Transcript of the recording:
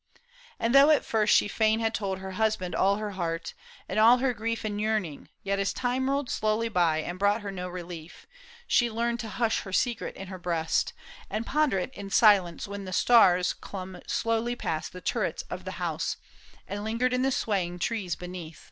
And though at first She fain had told her husband all her heart And all her grief and yearning, yet as time Rolled slowly by and brought her no relief, 59 6o PAUL J SHAM. She learned to hush her secret m her breast, And ponder it in silence when the stars Clomb slowly past the turrets of the house, And lingered in the swaying trees beneath.